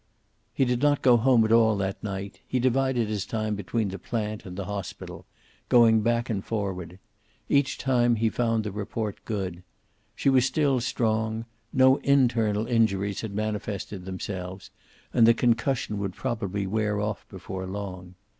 He did not go home at all that night. He divided his time between the plant and the hospital, going back and forward. Each time he found the report good. She was still strong; no internal injuries had manifested themselves, and the concussion would probably wear off before long.